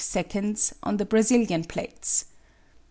98 seconds on the Brazilian plates.